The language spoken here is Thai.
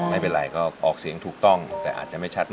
ไม่เป็นไรก็ออกเสียงถูกต้องแต่อาจจะไม่ชัดนะ